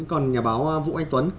còn nhà báo vũ anh tuấn